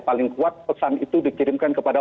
paling kuat pesan itu dikirimkan kepada